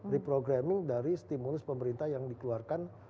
reprograming dari stimulus pemerintah yang dikeluarkan